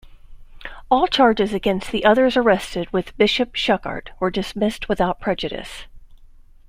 All charges against the others arrested with Bishop Schuckardt were dismissed without prejudice.